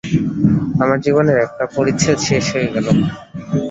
আমার জীবনের একটা পরিচ্ছেদ শেষ হয়ে গেল।